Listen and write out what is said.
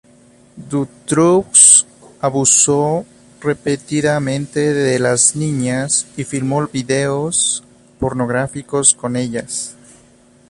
Dutroux abusó repetidamente de las niñas y filmó videos pornográficos con ellas.